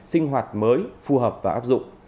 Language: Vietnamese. sinh hoạt mới phù hợp và áp dụng